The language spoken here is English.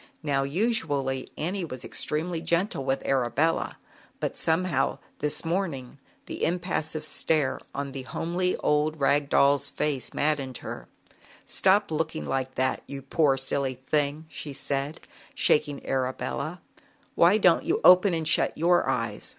Now, usually, Annie was extremely gentle with Arabella, but somehow, this morning, the impassive stare on the homely old rag doll's face maddened her. "Stop looking like that, you poor silly thing!" she said, shaking Arabella. "Why don't you open and shut your eyes?